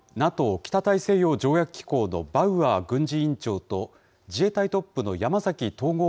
・北大西洋条約機構のバウアー軍事委員長と、自衛隊トップの山崎統合